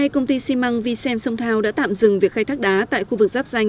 công ty xi măng vinsem song thao đã tạm dừng việc khai thác đá tại khu vực giáp danh